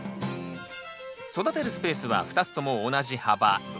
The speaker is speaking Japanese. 育てるスペースは２つとも同じ幅６０ｃｍ。